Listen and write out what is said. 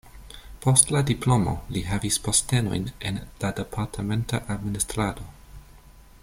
Post la diplomo li havis postenojn en la departementa administrado.